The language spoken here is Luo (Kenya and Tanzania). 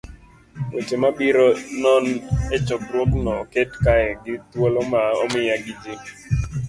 Weche ma ibiro non e chokruogno oket kae gi thuolo ma omiya gi ji